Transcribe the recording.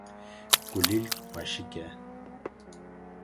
Kulîlk xweşik e